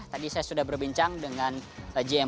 tadi saya sudah berbincang dengan jm